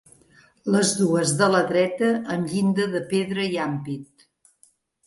Les dues de la dreta amb llinda de pedra i ampit.